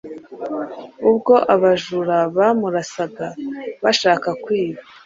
ubwo abajura bamurasaga bashaka kwiba